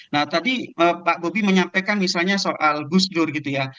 nah tadi pak bobi menyampaikan misalnya soal gus dur gitu ya